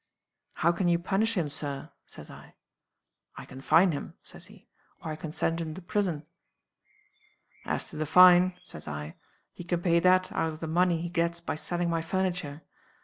_' "'How can you punish him, Sir?' says I. "'I can fine him,' says he. 'Or I can send him to prison.' "'As to the fine,' says I, 'he can pay that out of the money he gets by selling my furniture.